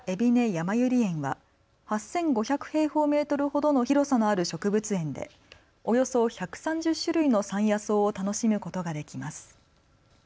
やまゆり園は８５００平方メートルほどの広さのある植物園でおよそ１３０種類の山野草を楽しむことができます。